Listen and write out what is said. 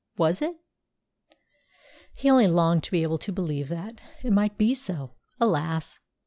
Was it? He only longed to be able to believe that it might be so. Alas!